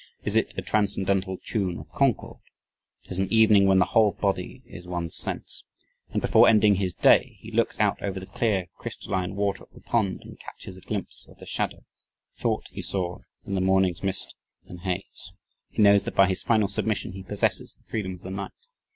Is it a transcendental tune of Concord? 'Tis an evening when the "whole body is one sense," ... and before ending his day he looks out over the clear, crystalline water of the pond and catches a glimpse of the shadow thought he saw in the morning's mist and haze he knows that by his final submission, he possesses the "Freedom of the Night."